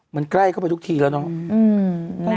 มันใกล้เข้าไปทุกทีแล้วเนาะ